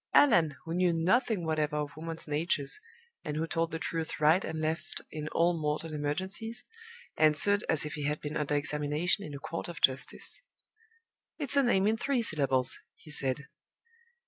Allan, who knew nothing whatever of woman's natures, and who told the truth right and left in all mortal emergencies, answered as if he had been under examination in a court of justice. "It's a name in three syllables," he said.